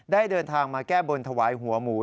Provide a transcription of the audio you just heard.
เดินทางมาแก้บนถวายหัวหมู